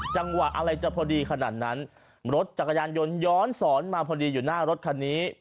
จังหวะอะไรจะพอดีขนาดนั้นรถจักรยานยนต์ย้อนสอนมาพอดีอยู่หน้ารถคันนี้